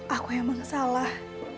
aku emang salah